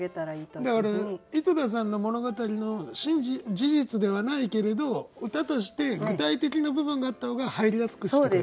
だから井戸田さんの物語の事実ではないけれど歌として具体的な部分があった方が入りやすくしてくれたと。